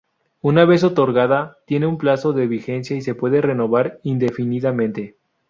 Una vez otorgada tiene un plazo de vigencia y se puede renovar indefinidamente.